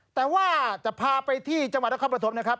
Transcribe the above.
แต่ว่าจะพาไปที่จังหวัดนครปฐมนะครับ